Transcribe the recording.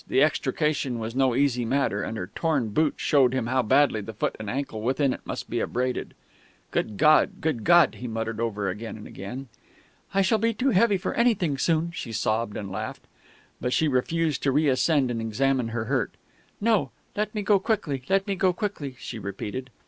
The extrication was no easy matter, and her torn boot showed him how badly the foot and ankle within it must be abraded. "Good God good God!" he muttered over and over again. "I shall be too heavy for anything soon," she sobbed and laughed. But she refused to reascend and to examine her hurt. "No, let me go quickly let me go quickly," she repeated.